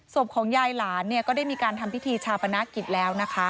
ศพของยายหลานก็ได้มีการทำพิธีชาปนาเกิดแล้ว